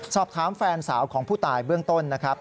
สอบถามแฟนสาวของผู้ตายเบื้องต้นนะครับ